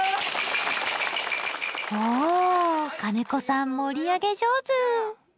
お金子さん盛り上げ上手！